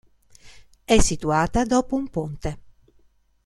È situata dopo un ponte.